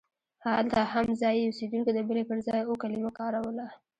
هلته هم ځایي اوسېدونکو د بلې پر ځای اوو کلمه کاروله.